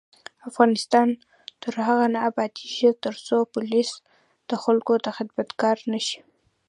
افغانستان تر هغو نه ابادیږي، ترڅو پولیس د خلکو خدمتګار نشي.